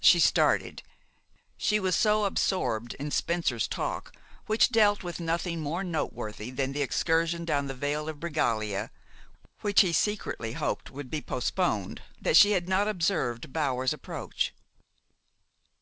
She started. She was so absorbed in Spencer's talk, which dealt with nothing more noteworthy than the excursion down the Vale of Bregaglia, which he secretly hoped would be postponed, that she had not observed Bower's approach.